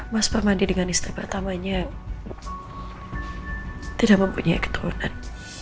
mas permandi dengan istri pertamanya tidak mempunyai keturunan